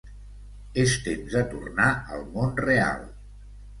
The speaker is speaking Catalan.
És temps de tornar al món real.